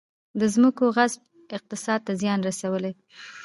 د ځمکو غصب اقتصاد ته زیان رسولی؟